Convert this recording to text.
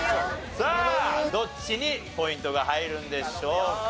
さあどっちにポイントが入るんでしょうか。